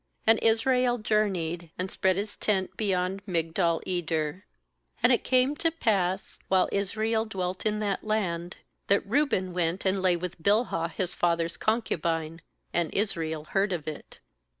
21And Israel journeyed, and spread his tent beyond Migdal eder. ^And it came to pass, while Israel dwelt in that land, that Reuben went and ay with Bilhah his father's concubine; and Israel heard of it.